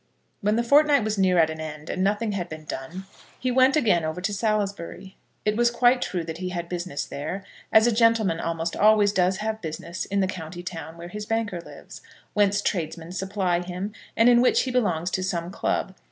When the fortnight was near at an end, and nothing had been done, he went again over to Salisbury. It was quite true that he had business there, as a gentleman almost always does have business in the county town where his banker lives, whence tradesmen supply him, and in which he belongs to some club.